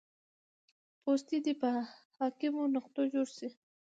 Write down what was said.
پوستې دې په حاکمو نقطو جوړې شي